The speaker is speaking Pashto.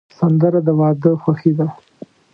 سندره د واده خوښي ده